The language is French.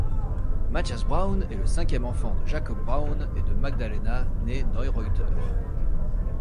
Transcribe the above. Matthias Braun est le cinquième enfant de Jacob Braun et de Magdalena née Neureuter.